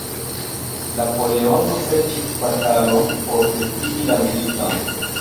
Napoleono serĉis batalon por decidi la militon.